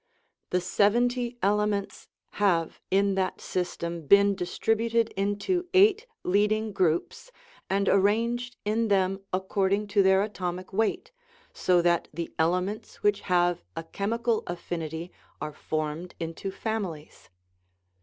The seventy elements have in that system been distributed into eight leading groups, and ar ranged in them according to their atomic weight, so that the elements which have a chemical affinity are formed into families.